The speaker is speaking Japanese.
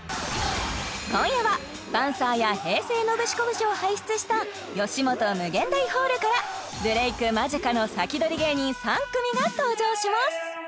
今夜はパンサーや平成ノブシコブシを輩出したヨシモト∞ホールからブレイク間近のサキドリ芸人３組が登場します！